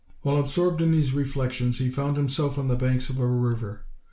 While absorbed in these reflections he found himself on the banks of a river.